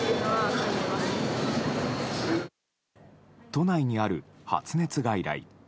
都内にある発熱外来。